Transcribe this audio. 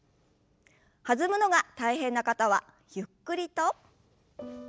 弾むのが大変な方はゆっくりと。